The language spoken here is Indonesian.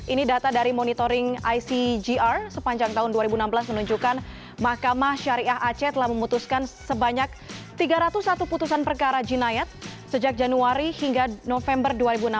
ini data dari monitoring icgr sepanjang tahun dua ribu enam belas menunjukkan mahkamah syariah aceh telah memutuskan sebanyak tiga ratus satu putusan perkara jinayat sejak januari hingga november dua ribu enam belas